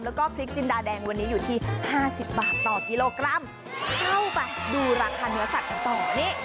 แล้วก็พริกจินดาแดงวันนี้อยู่ที่ห้าสิบบาทต่อกิโลกรัมเข้าไปดูราคาเนื้อสัตว์กันต่อนี่